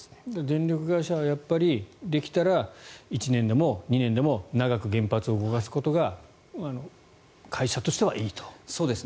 電力会社はやっぱりできたら１年でも２年でも長く原発を動かすことが会社としてはいいと。